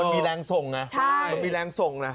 มันมีแรงส่งไงมันมีแรงส่งนะ